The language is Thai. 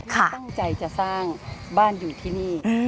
ตั้งใจจะสร้างบ้านอยู่ที่นี่